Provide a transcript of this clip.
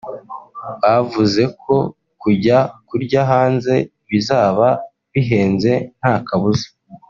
Bavuze ko kujya kurya hanze bizaba bihenze nta kabuza